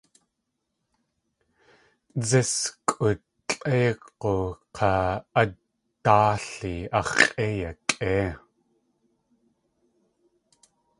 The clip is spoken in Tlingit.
Dzískʼu tlʼóog̲u k̲a a dáali ax̲ x̲ʼé yakʼéi.